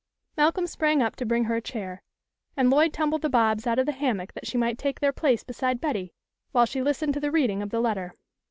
Malcolm sprang up to bring her a chair, and Lloyd tumbled the Bobs out of the hammock that she might take their place beside Betty, while she listened to the reading of the letter.